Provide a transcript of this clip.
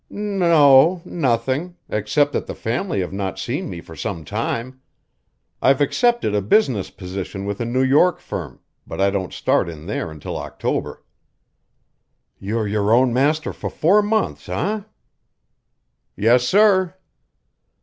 "N o nothing, except that the family have not seen me for some time. I've accepted a business position with a New York firm, but I don't start in there until October." "You're your own master for four months, eh?" "Yes, sir."